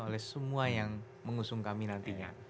oleh semua yang mengusung kami nantinya